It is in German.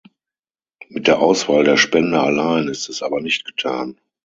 Mit der Auswahl der Spender allein ist es aber nicht getan.